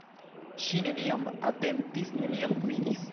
Ŝi nenion atentis, nenion vidis.